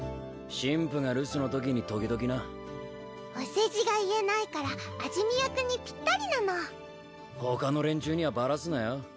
神父が留守のときに時々なお世辞が言えないから味見役にぴったりなの他の連中にはバラすなよ